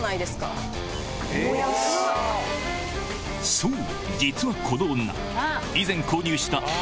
そう！